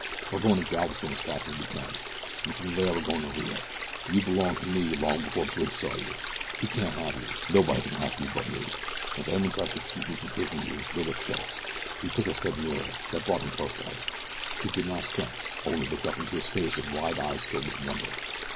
Were goin' to Galveston as fast as we can, and from there we're goin' to Rio. You belonged to me long before Bridge saw you. He can't have you. Nobody can have you but me, and if anyone tries to keep me from taking you they'll get killed." He took a step nearer that brought him close to her. She did not shrink only looked up into his face with wide eyes filled with wonder.